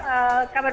apa kabar baik